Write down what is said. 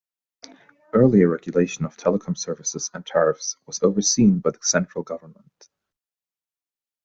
Earlier regulation of telecom services and tariffs was overseen by the Central Government.